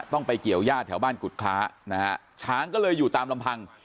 ไปเกี่ยวย่าแถวบ้านกุฎคล้านะฮะช้างก็เลยอยู่ตามลำพัง